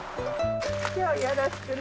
今日はよろしくね。